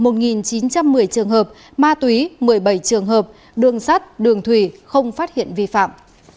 trường hợp ma túy một mươi bảy trường hợp đường sắt đường thủy không phát hiện vi phạm